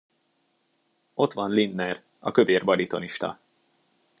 Ott van Lindner, a kövér baritonista.